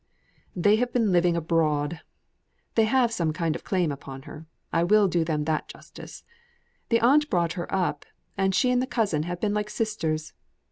"They have been living abroad. They have some kind of claim upon her. I will do them that justice. The aunt brought her up, and she and the cousin have been like sisters.